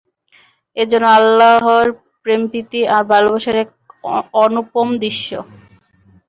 এ যেন অল্লাহর প্রেম-প্রীতি আর ভালবাসার এক অনুপম দৃশ্য।